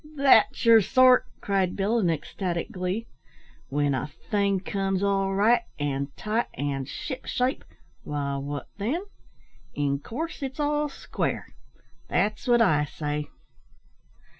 "That's yer sort!" cried Bill, in ecstatic glee. "W'en a thing comes all right, an' tight, an' ship shape, why, wot then? In coorse it's all square that's wot I say."